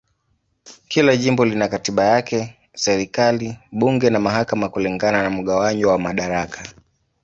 Kila jimbo lina katiba yake, serikali, bunge na mahakama kulingana na mgawanyo wa madaraka.